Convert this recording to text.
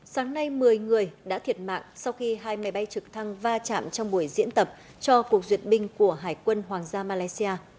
sáng nay một mươi người đã thiệt mạng sau khi hai máy bay trực thăng va chạm trong buổi diễn tập cho cuộc duyệt binh của hải quân hoàng gia malaysia